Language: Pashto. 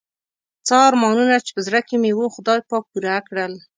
څه ارمانونه چې په زړه کې مې وو خدای پاک پوره کړل.